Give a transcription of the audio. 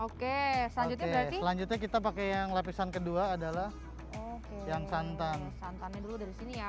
oke selanjutnya berarti selanjutnya kita pakai yang lapisan kedua adalah yang santan santannya